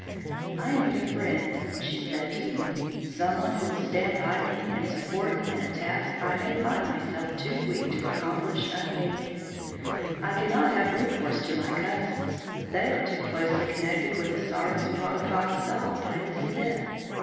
"I need a friend," she said to me. "Someone who will stand by me and support me in a task I may find myself too weak to accomplish unaided. I cannot have recourse to my cousins. They are too closely connected with the sorrows brought upon us all by this event.